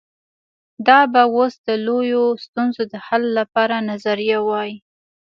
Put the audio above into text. دا به اوس د لویو ستونزو د حل لپاره نظریه وای.